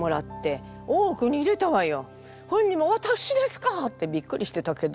本人も「わたくしですか！？」ってびっくりしてたけど。